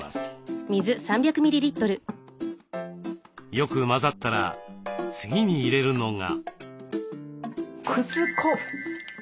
よく混ざったら次に入れるのが。